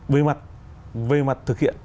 về mặt thực hiện